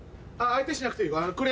相手しなくていいよ。